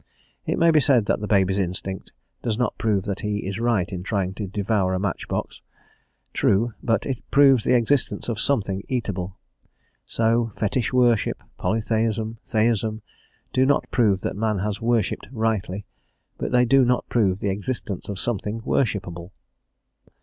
It may be said that the baby's instinct does not prove that he is right in trying to devour a matchbox; true, but it proves the existence of something eatable; so fetish worship, polytheism, theism, do not prove that man has worshipped rightly, but do they not prove the existence of something worshipable!